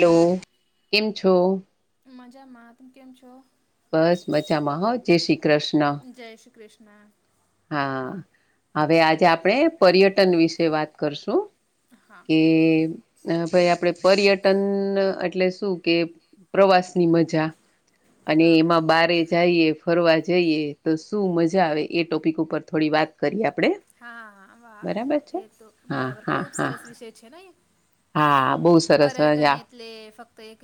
Hello, કેમ છો? મજામાં તુ કેમ છો? બસ મજામાં હ, જય શ્રી કૃષ્ણ જય શ્રી કૃષ્ણા. હા, હવે આ તે આપણે પર્યટન વિશે વાત કરશું હા કે અ ભાઈ આપડે પર્યટન એટલે શું કે.? પ્રવાસની મજા અને હા એમાં બારે જઈએ, ફરવા જઈએ તો શું મજા આવે એ ટોપિક ઉપર થોડી વાત કરીએ આપડે? હા હા, વાહ એ તો હા બરાબર હા ખૂબ હા સરસ વિષય છે ના એ.? હા, બોવ સરસ પર્યટન અજા એટલે ફક્ત એક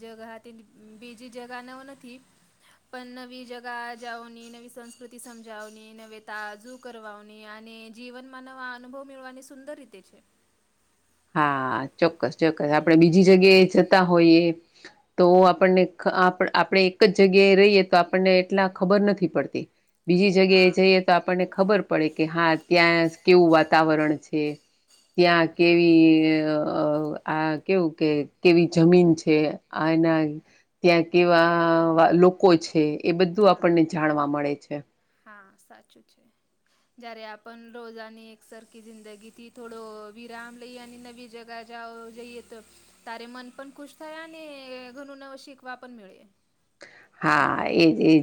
જગા હતી બીજી જગાને એવુ નથી? પણ નવી જગા જાઓની નવી સંસ્કૃતિ સમજાવની નવે તાજુ કરવા ને આને જીવનમાં નવા અનુભવ મેળવાની સુંદર રીતે છે. હા, ચોક્કસ ચોક્કસ આપણેે બીજી જગ્યાએ જતા હોઈએ તો આપણને આપણે એક જ જગ્યાએ રહીએ તો આપણને એટલા ખબર નથી પડતી. બીજી જગ્યાએ હા જઈએ તો આપણને ખબર પડે કે હા ત્યાં કેવું વાતાવરણ છે.? ત્યાં હા કેવી આ કેવું કે કેવી જમીન છે. હમ આયનાય ત્યાં કેવા લો કોય છે એ બધું આપણને હા જાણવા મળે છે. હા, સાચું છે. જયારે આપણ રોજાની એકસરખી જિંદગીથી થોડો વિરામ લઈ અને નવી જગા જાવો જઈએ તો તારે મન પણ ખુશ થાય અને ઘણું નવ શીખવા પણ મળે. હા, એજ એજ.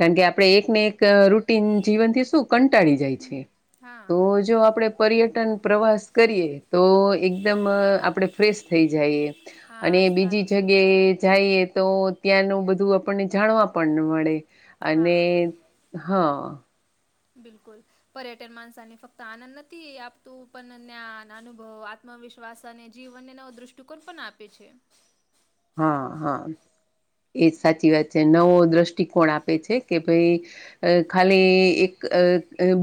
કારણ કે, આપણે એકને એક રૂટીન જીવનથી શું કંટાળી જાય હમ છે.? હા તો જો આપડે પર્યટન પ્રવાસ કરીએ તો એકદમ અ આપણેે ફ્રેશ થઈ જાયએ હા અને બીજી સારું બિલકુલ જગ્યાએ જાઈએ તો ત્યાંનું બધું આપણને જાણવા પણ મળે અને હા હા બિલકુલ પર્યટન માણસાને ફક્ત આનંદ નથી આપતું પણ જ્ઞાન અનુભવ ત્ વિશ્વાસ અને જીવનને નવો દ્રષ્ટિકોણ પણ આપે છે હા હા એ સાચી વાત છે નવો દ્રષ્ટિકોણ આપે છે કે ભાઈ અ ખાલી એક અ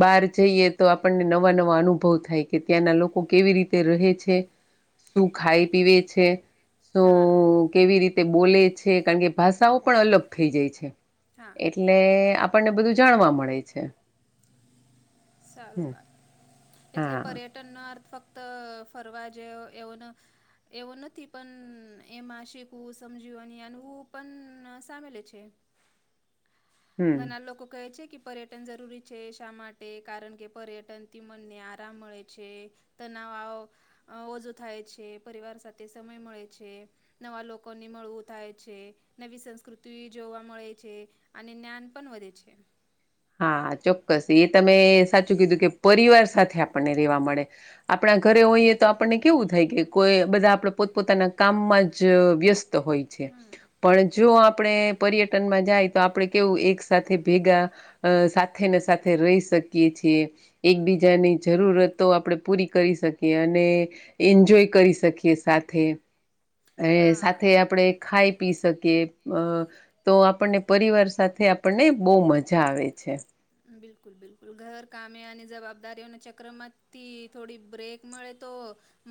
બહાર જઈએ તો આપણને નવા નવા અનુભવ થાય કે ત્યાંના લોકો કેવી રીતે રહે છે શું ખાઈ પીવે છે શું હા કેવી રીતે બોલે છે કારણ કે ભાષાઓ પણ અલગ થઈ જાય છે હા એટલે આપણને બધું જાણવા મળે છે સારું હમ વાત એટલે હા પર્યટન ્ટનો અર્થ ફક્ત ફરવા જેે એવન એવો નથી પણ એમાં શીખવું સમજીવાની આનવું પણ સામેલે છે હમ ઘણા લોકો કહે છે કે પર્યટન જરૂરી છે શા માટે કારણ કે પર્યટનથી મનને આરામ મળે છે તનાવા ઓછો થાય છે પરિવાર સાથે સમય મળે છે નવા લોકોને મળવું થાય છે નવી સંસ્કૃતિ જોવા મળે છે અને જ્ઞાન પણ વધે છે હા ચોક્કસ એ તમે સાચું કીધું કે પરિવાર સાથે આપણને રેવા મળે આપણા ઘરે હોઈએ તો આપણને કેવું થાય કે કોઈ બધા આપણે પોતપોતાના કામમાં જ વ્યસ્ત તો હોય છે હમ પણ જો આપણે પર્યટનમાં જાય તો આપડે કેવું એક સાથેથે ભેગા સાથે ને સાથે સાથે રહી શકીએ છીએ એકબીજાની જરૂરતો આપણે પૂરી કરી શકીએ અને એન્જોય કરી શકીએ સાથે હા સાથે આપણે ખાઈ પી શકીએ અ તો આપણને પરિવાર સાથે આપણને બહુ મજા આવે છે અચછ બિલકુલ બિલકુલ ઘર કાામની જવાબદારીઓના ચક્રમાંથી થોડી બ્રેક મળે તો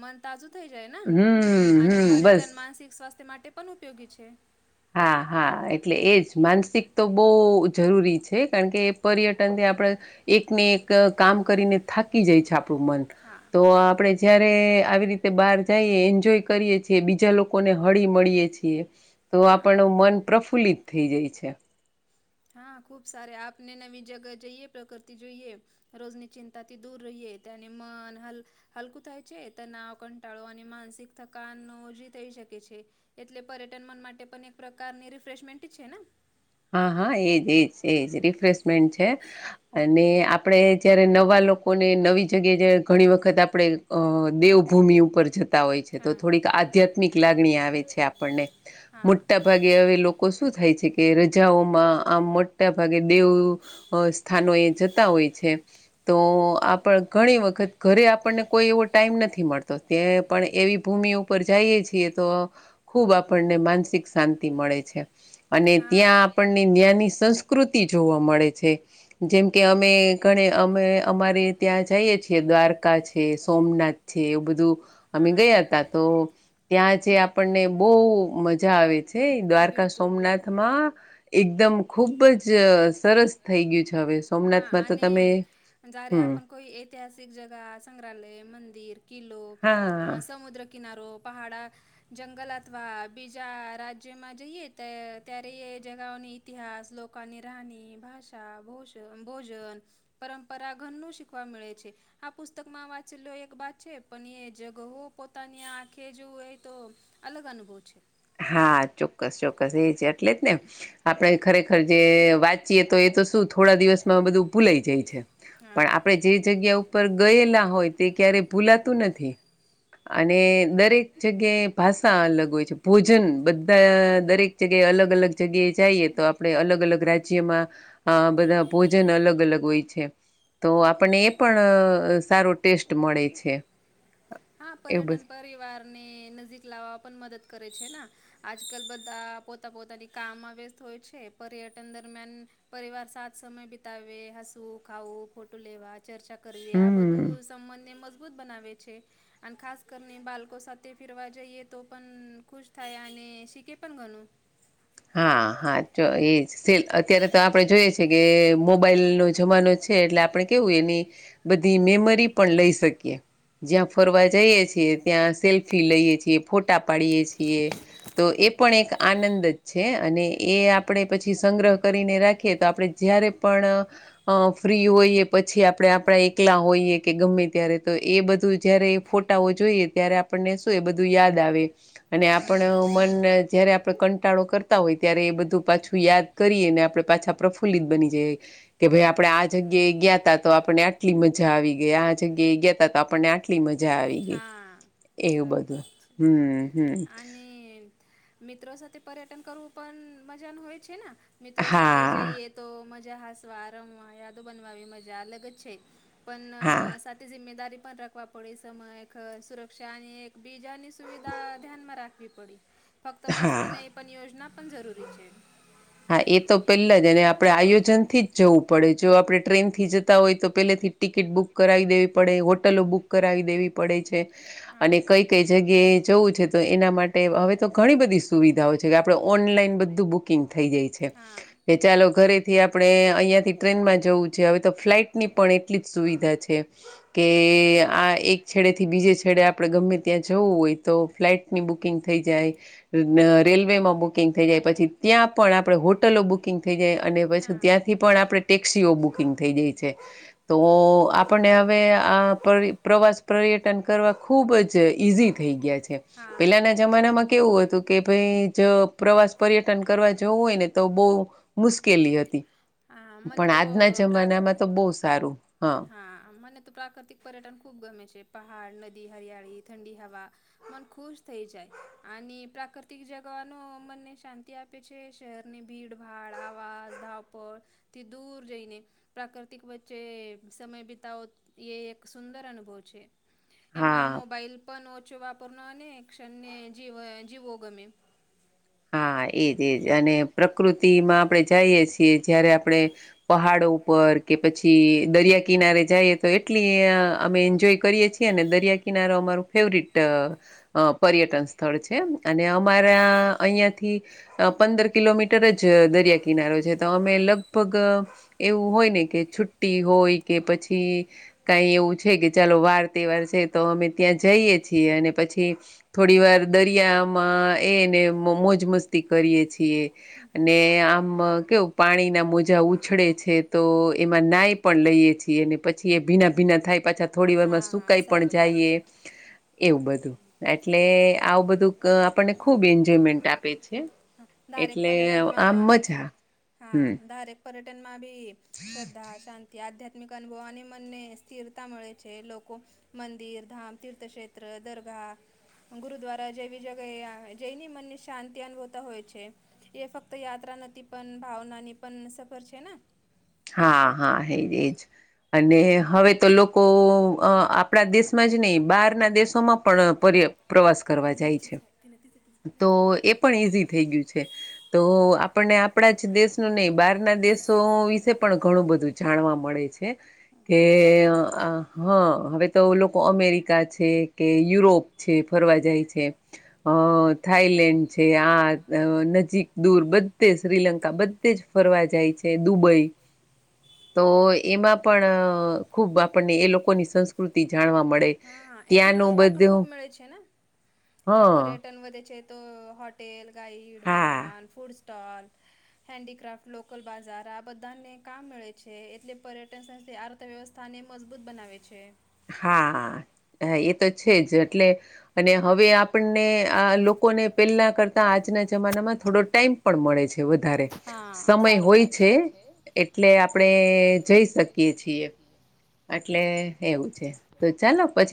મન તાજું થઈ જાય ને હમ અને હમ બસ પર્યટન માનસિક સ્વાસ્થ્ય માટે પણ ઉપયોગી છે હા હા એટલે એજ માનસિક તો બહુ જરૂરી છે કારણ કે એ પર્યટનને આપણે એક ને એક કામ કરીને થાકી જાય છે આપણું મન હા તો આપણે જયારે આવી રીતે બહાર જઈએ એન્જોય કરીએ છીએ બીજા લોકોને હળી મળીએ છીએ તો હા આપણ મન પ્રફુલ્લિત થઈ જાય છે હા ખૂબ સાર આપને નવી જગ્યા જઈએ પ્રકૃતિ જોઈએ રોજની ચિંતાથી દૂર રહીે અનેને મન હલ હલકું થાય છે તનાવ કંટાળો અને માનસિક થકનો જે થઈ શકે છે એટલે પર્યટન મન માટે પણ એક પ્રકારની રિફ્રેશમેન્ટ છે ને હા હા એજ એજ એજ રિફ છે અને આપણે જયારે નવા લોકોને નવી જગ્યા જ ઘણી વખત આપણે દેવભૂમિ ઉપર જતા હોય છે તો હા થોડીક આધ્યાત્મિક લાગણી આવે છે આપણને મોટા ભાગે હવે શું થાય છે કે પજાઓમાં આમ મોટા ભાગે દેવ સ્થાનો એ જતા હોય છે તો આપણ ઘણી વખત ઘરે આપણને કોઈ એવો ટાઈમ નથી મળતો ત પણ એવી ભૂમિ ઉપર જઈએ છીએ તો ખૂબ આપણને માનસિક શાંતિ મળે છે અને હા ત્યાં આપણને ના્યાની સંસ્કૃતિ જોવા મળે છે જેમ કે અમે ઘણે અમે અમારે ત્યાં જઈએ છીએ દ્વારકા છે સોમનાથ છે એવું બધું. હા અમે હા ગયા ત તો ત્યાં જે આપણને બહુ મજા આવે છે હ દ્વારકા બિલકુલ સોમનાથ બિલકુલ એકદમ ખુબ જ સરસ થઈ ગયું છે હવે હા સોમનાથમાં તો અને તમે જ્યારે હમ આપ કોઈ ઐતિહાસિક જગા સંગ્રહાલય મંદિર કિલ્લો હા સમુદ્ર કિનારો પહાડા જંગલ અથવા બીજા રાજ્યમાં જઈએ તો ત્યારે એ જગઓની ઇતિહાસ લોકની રાણી ભાષા ભોષ ભોજન પરંપરાઘનનું શીખવા મળે છે. આ પુસ્તકમાં વાંચેલો એક વાત છે પણ એ જગો પોતાની આંખે જોવું હોય તો અલગ અનુભવ છે. હા ચોક્કસ ચોક્કસ એ છે એટલે જ ને આપણે ખરેખર જે વાત ચીએ તો એ તો શું થોડા દિવસમાં બધું ભૂલાઈ જાય છે. પણ હા આપણે જે જગ્યા ઉપર ગયેલા હોય તે ક્યારે ભૂલાતું નથી. અને દરેક જગ્યાએ ભાષા અલગ હોય છે ભોજન બધા દરેક જગ્યાએ અલગ અલગ જગ્યાએ જઈએ તો આપડણે અલગ અલગ રાજ્યમાં આ બધા ભોજન અલગ અલગ હોય છે તો આપણને એ પણ સારો ટેસ્ટ મળે છે. હા એવું પર્યટન બધું પરિવાર ને નજીક લાવવા પણ મદદ કરે છે. આજકાલ બધા પોતા પોતાની કામમાં વ્યસ્ત હોય છે પર્યટન દરમિયાન પરિવાર સા સમય બિતાવે હસવું ખાઉું ફોટો લેવા. ચર્ચા કરવી આ હમ બધું સંબંધને મજબૂત બનાવે છે. અને ખાસ કરીને બાળકો સાથે ફેરવા જઈએ તો પણ ખુશ થાય અને શીખે પણ ઘણું હા હા તો એ જ સેલ અત્યારે તો આપણે જોઈએ છેએ કે મોબાઈલ નો જમાનો છે એટલે આપણે કેવું એની બધી મેમરી પણ લઈ શકીએ જ્યાં ફરવા જઈએ છીએ ત્યાં સેલ્ફી લઈએ છીએ ફોટા પાડીએ છીએ. તો એ પણ એક આનંદ જ છે અને એ આપણે પછી સંગ્રહ કરીને રાખીએ તો આપણે જ્યારે પણ અ ફ્રી હોઈએ પછી આપણે આપણા એકલા હોઈએ કે ગમે ત્યારે તો એ બધું જયારે ફોટાઓ જોઈએ ત્યારે આપણને શું એ બધું યાદ આવે. અને હા આપણ મન જયારે આપડ ક ઘટાડો કરતા હોય ત્યારે એ બધું પાછું યાદ કરીએ ને આપણે પાછા પ્રફુલ્લિત બની જાય. કે ભાઈ આપણેે આ જગ્યાએ ગયા ત તો આપણને આટલી મજા આવી ગઈ આ જગ્યાએ ગયાતા તો આપણને કેટલી મજા આવી ગઈ. હા એવું બધું સરરૂઆત છે હમ હમ અને મિત્રો સાથે પર્યટન કરવું પણ મજાનું હોય છે ને મિત્રો સાથે હા જઈએ. તો મજા હસવા રમવા યાદો બનવાવી મજા અલગ જ છે પણ હા સાથે જિમ્મેદારી પણ રાખવા પડે સમય ખર સુરક્ષા. એક બીજાની સુવિધા ધ્યાનમાં રાખવી પડી ફક્ત હા મસ્તી ન. પણ યોજના પણ જરૂરી છે. હા એ તો પહેલા જ અને આપડે આયોજનથી જવું પડે જો હમ આપડણે ટ્રેન થી જ હોય તો પેલેથી ટિકિટ બુક કરાવી દેવી પડે હોટલો બુક કરાવી દેવી પડે છે. અને હમ કઈ કઈ જગ્યાએ જવું છે તો એના માટે હવે તો ઘણી બધી સુવિધાઓ છે કે આપણે ઓનલાઈન બધું બુકિંગ થઈ જાય છે. હા હા ચાલો ઘરેથી આપણે અહિયાંથી ટ્રેનમાં જવું છે હવે તો ફ્લાટ ની પણ એટલી જ સુવિધા છે. કે આ એક છેડે થી બીજે છેડે આપણેે ગમે ત્યાં જવું હોય તો ફ્લાટ ની બુંગ થઈ જાય રેલવે માં બુકિંગ થઈ જાય પછી ત પણ આપણે હોટલો બુકિંગ થઈ જાય અને પછી હા ત્યાંથી પણ આપણે ટેક્સીઓ બુકિંગ થઈ જાય છે. તો આપને હવે આ પ્રવાસ પર્યટન કરવા ખૂબ જ ઇઝી થઈ ગયા છે. હા પેલાના જમાનામાં કેવું હતું કે ભાઈ જ પ્રવાસ પર્યટન કરવા જોવું હોય ને તો બહુ મુશ્કેલી હતી હા મને પણ તો આજના પ્રાક જમાનામાં. તો બહ સારું હ. હા મને તો પ્રાકૃતિક પર્યટન ખૂબ ગમે છે પહાડ નદી હરિયાળી ઠંડી હવા. મન ખુશ થઈ જાય અને પ્રાકૃતિક જગવાનો મનને શાંતિ આપે. પછ શહેરની ભીડભાડ આવા ધાપડ. થી દૂર જઈને પ્રાકૃતિક વચ્ચે. સમય બિતાવો એ એક સુંદર અનુભવ છે એમાં હા આ મોબાઈલ. પણન ઓચો વાપર ન અને ક્ષણ્ય જીવ જીવો ગમેી. હા એજ એજ અને પ્રકૃતિમાં. આપડણે જઈએ છીએ જયારે આપડણે પહાડો ઉપર. કે પછી દરિયા કિનારે જઈએ તો એટલી અમે એન્જોય. કરીએ છીએ અને દરિયા કિનારો અમાર ફેવરિટ. અ પર્યટન સ્થળ છે અને અમારા અહિયાંથી. અ પંદર કિલોમીટર જ દરિયા કિનારો છે તો અમે લગભગ. એવું હોય ને કે છુટ્ટી હોય કે પછી. કાંઈ એવું છે કે ચાલો વાર તહેવાર છે તો અમે ત્યાં જઈએ છીએ અને પછી. થોડી વાર દરિયામાં એને મોજ મસ્તી કરીએ છીએ. અને આમ કેવું પાણીના મોજા ઉછળે છે તો એમાં નાઈ. પણ લઈએ છીએ અનેને પછી એ ભીના ભીના થાય પાછા થોડી વારમાં હા હા સુકાઈ પણ સારું વાત જઈએ. છે એવું બધું એટલે આવું બધું આપણને ખુબ એન્જય. જેમેન્ટ આપે છે. દારેક એટલે આમ પર્યટનમાં મજા હા હમ ધારેક. પર્યટન માં ભી શ્રદ્ધા શાંતિ આધ્યાત્મિક. આત્મિક અનુભવાની મનને સ્થિરતા મળે છે લોકો. મંદિર ધામ તીર્થક્ષેત્ર દરગા. ગુરુદ્વારા જેવી જગ્યા એ આવે જઈની મનને શાંતિ અનુભવતા હોય છે. એ ફક્ત યાત્રા નથી પણ ભાવના ની પણ સફર છે ને. હા હા હેજજ અને હવે તો લોકો. આપણા દેશમાં જ નહહી બહારના દેશોમાં પણ પર પ્રવાસ કરવા જાય છે. કે નથી નથી. તો એ. પણ ઈઝી થઈ ગયું છે તો આપણને આપણા જ દેશનું નહીં બહારના દેશો વિશે. પણ ઘણું બધું જાણવા મળે છે કે સાચી વાત છે આ. હા હવે તો લોકો અમેરિકા છે કે યુરોપ છે ફરવા જાય છે. અ થાઈલેન્ડ છે આ. અ નજીક દૂર બધે શ્રીલંકા બધે જ ફરવા જાય છે દુબઈ. તો એમાં પણ ખુબ આપણને એ લોકોની સંસ્કૃતિ જાણવા મળે હા હા એથી ત્યાંનું રોજગાર પણ ખૂબ બધું મેે છે ને હ જ્યા પર્યટન વધે છે તો હોટ હોટેલ ગાાઈડ હા વાહન ફૂડ સ્ટોલ. હેન્ડીક્રાફ્ટ લોકલ બાજાર આ બધાને કામ મળે છે એટલે પર્યટન. અર્થવ્યવસ્થાને મજબૂત બનાવે છે. હા એ તો છે જ એટલે. અને હવે આપણને આ લોકોને પહેલા કરતા. આજના જમાનામાં થોડો ટાઈમ પણ મળે છે વધારે. હા સમય સારું હોય વાત છે એટલે આપણે જઈ શકીએ છીએ. એટલે એવું છે તો ચાલો પછી.